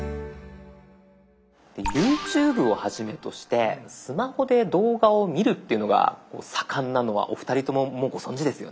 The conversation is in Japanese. ＹｏｕＴｕｂｅをはじめとしてスマホで動画を見るっていうのが盛んなのはお二人とももうご存じですよね？